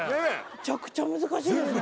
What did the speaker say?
めちゃくちゃ難しいですね